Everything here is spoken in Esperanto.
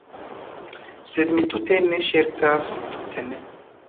Sed mi tute ne ŝercas, tute ne.